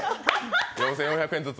４５００円ずつ。